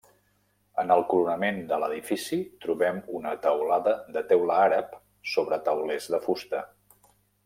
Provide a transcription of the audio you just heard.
En el coronament de l'edifici trobem una teulada de teula àrab sobre taulers de fusta.